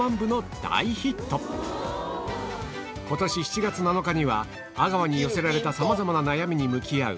今年７月７日には阿川に寄せられたさまざまな悩みに向き合う